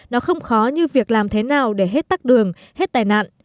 nó không khó như việc làm thế nào để hết tắc đường hết tài nạn